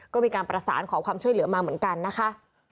ก็มีการประสานขอความช่วยเหลือมาเหมือนกันนะคะ